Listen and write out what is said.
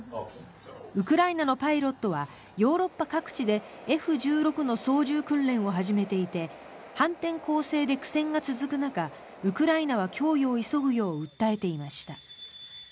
ウクライナのパイロットはヨーロッパ各地でＦ１６の操縦訓練を始めていて反転攻勢で苦戦が続く中ウクライナは供与を急ぐよう訴えていました。